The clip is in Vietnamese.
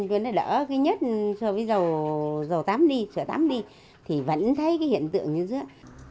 tuyến lại đỡ cái nhất rồi với dầu tắm đi sửa tắm đi thì vẫn thấy cái hiện tượng như dưới